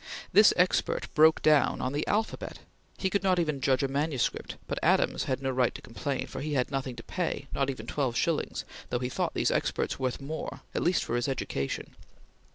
This expert broke down on the alphabet! He could not even judge a manuscript; but Adams had no right to complain, for he had nothing to pay, not even twelve shillings, though he thought these experts worth more, at least for his education.